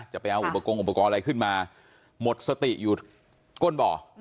จะไปเอาอุปกรณ์อะไรขึ้นมาหมดสติอยู่ก้นบ่อ